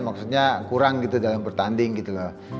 maksudnya kurang gitu dalam bertanding gitu loh